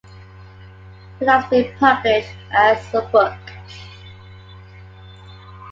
It has been published as a book.